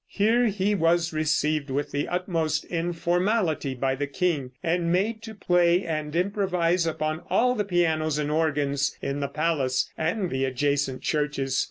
Here he was received with the utmost informality by the king and made to play and improvise upon all the pianos and organs in the palace and the adjacent churches.